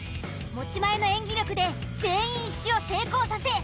持ち前の演技力で全員一致を成功させ